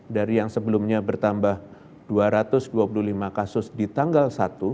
dari yang sebelumnya bertambah dua ratus dua puluh lima kasus di tanggal satu